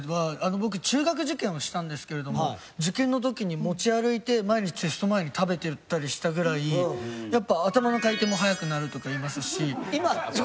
僕中学受験をしたんですけれども受験の時に持ち歩いて毎日テスト前に食べてたりしたぐらいやっぱ頭の回転も速くなるとかいいますし。